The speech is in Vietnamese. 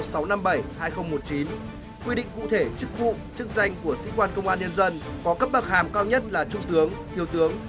quy định cụ thể chức vụ chức danh của sĩ quan công an nhân dân có cấp bậc hàm cao nhất là trung tướng thiếu tướng